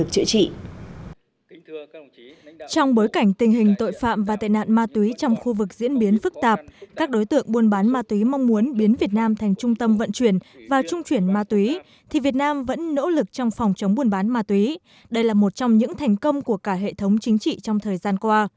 trong bối cảnh tình hình tội phạm và tệ nạn ma túy trong khu vực diễn biến phức tạp các đối tượng buôn bán ma túy mong muốn biến việt nam thành trung tâm vận chuyển và trung chuyển ma túy thì việt nam vẫn nỗ lực trong phòng chống buôn bán ma túy đây là một trong những thành công của cả hệ thống chính trị trong thời gian qua